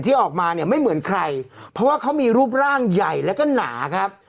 ออกมาเนี่ยไม่เหมือนใครเพราะว่าเขามีรูปร่างใหญ่แล้วก็หนาครับ